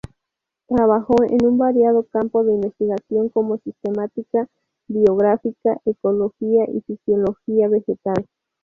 Trabajó en un variado campo de investigación como sistemática, biogeografía, ecología y fisiología vegetal.